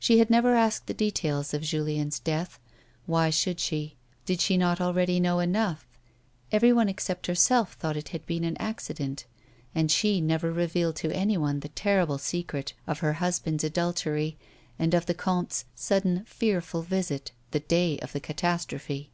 She had never asked the details of Julieu's death. Why should she 1 Did she not already know enougli 1 Everyone except herself thought it had been an accident, and she never revealed to anyone the terrible secret of her husband's adultery, and of the comte's sudden, fearful visit the day of the catastrophe.